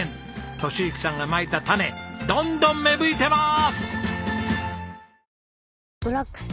敏之さんがまいた種どんどん芽吹いてます！